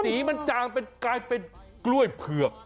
สีมันจางกลายเป็นกล้วยเผือก